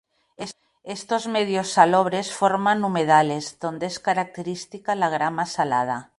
Estos medios salobres forman humedales, donde es característica la grama salada.